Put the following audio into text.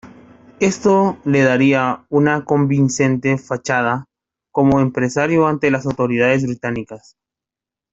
Esto le daría una "convincente fachada" como empresario ante las autoridades británicas.